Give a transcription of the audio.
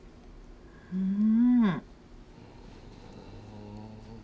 うん。